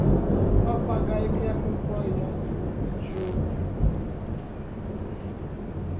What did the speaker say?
Papagaio que acompanha Jo